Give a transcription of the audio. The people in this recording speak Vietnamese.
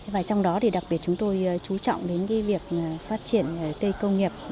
và trong đó thì đặc biệt chúng tôi chú trọng đến việc phát triển cây công nghiệp